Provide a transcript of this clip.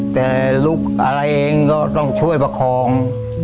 แต่ลุกอะไรเองก็ต้องช่วยประคอง